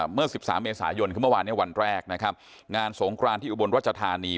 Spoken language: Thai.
เมื่อ๑๓เมษายนคือเมื่อวานเนี่ยวันแรกนะครับงานสงครานที่อุบลรัชธานี